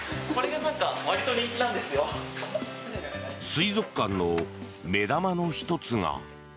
水族館の目玉の１つが。